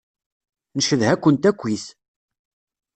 Ncedha-kent akkit.